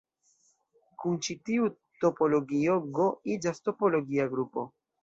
Kun ĉi tiu topologio "G" iĝas topologia grupo.